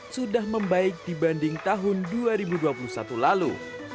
sudah membaik dibanding tahun dua ribu dua puluh satu lalu